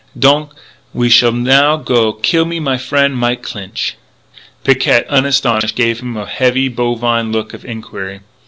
Donc I shall now go kill me my frien' Mike Clinch." Picquet, unastonished, gave him a heavy, bovine look of inquiry.